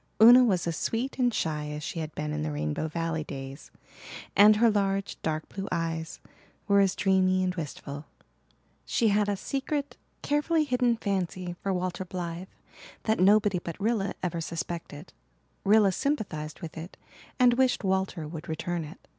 Una was as sweet and shy as she had been in the Rainbow Valley days, and her large, dark blue eyes were as dreamy and wistful. She had a secret, carefully hidden fancy for Walter Blythe that nobody but Rilla ever suspected. Rilla sympathized with it and wished Walter would return it.